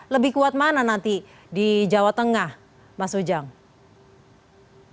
lebih kuat mana nanti di jawa tengah mas ujang